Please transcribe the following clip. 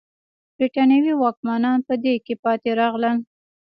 برېټانوي واکمنان په دې کې پاتې راغلل.